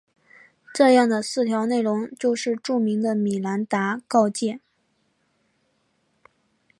这样的四条内容就是著名的米兰达告诫。